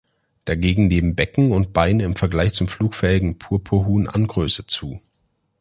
Dagegen nehmen Becken und Beine im Vergleich zum flugfähigen Purpurhuhn an Größe zu.